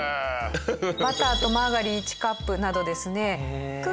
バターとマーガリン１カップなどですね